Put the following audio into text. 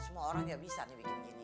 semua orang gak bisa nih bikin gini